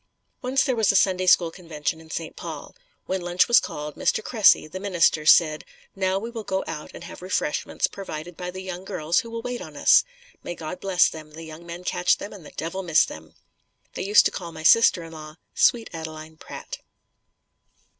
Once there was a Sunday school convention in St. Paul. When lunch was called, Mr. Cressey, the minister, said, "Now, we will go out and have refreshments provided by the young girls who will wait on us. May God bless them, the young men catch them and the devil miss them." They used to call my sister in law, "Sweet Adeline Pratt."